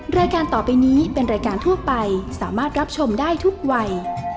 รายการต่อไปนี้เป็นรายการทั่วไปสามารถรับชมได้ทุกวัย